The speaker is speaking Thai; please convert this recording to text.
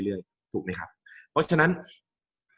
กับการสตรีมเมอร์หรือการทำอะไรอย่างเงี้ย